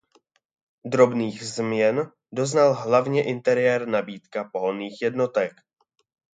Drobných změn doznal hlavně interiér nabídka pohonných jednotek.